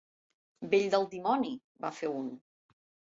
-Vell del dimoni!- va fer un.